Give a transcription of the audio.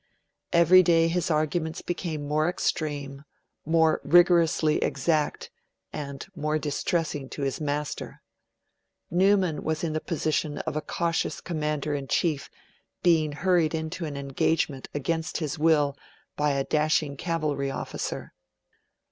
Every day his arguments became more extreme, more rigorously exact, and more distressing to his master. Newman was in the position of a cautious commander in chief being hurried into an engagement against his will by a dashing cavalry officer.